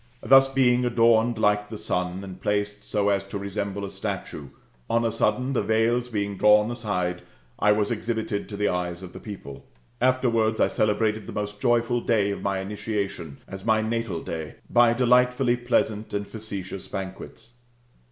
Thus being adorned like the sun, and placed so as to resemble a statue, on a sudden, the veils being drawn aside, I was exhibited to the eyes of the people. Afterwards, I celebrated the most joyful day of my initiation, as my natal day,^^ by delightfully pleasant and facetious banquets.